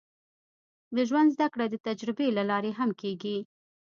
د ژوند زده کړه د تجربې له لارې هم کېږي.